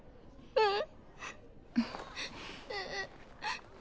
うん。